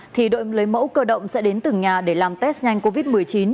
thì đội lấy mẫu cơ động sẽ đến từng nhà để làm test nhanh covid một mươi chín